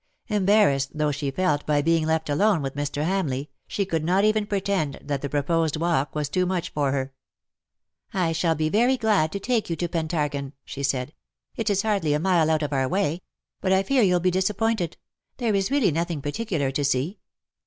Embarrassed though she felt by being left alone with Mr. Hamleigh, she could not even pretend that the proposed walk was too much for her. " I shall be very glad to take you to Pentargon/' she said, ^^ it is hardly a mile out of our way ; but I fear you^ll be disappointed ; there is really nothing particular to see.